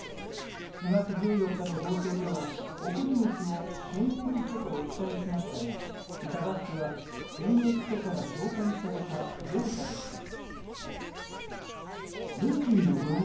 ４月１４日の放送では送り主を検疫所をお伝えしましたが正しくは、検疫所から紹介された業者でした。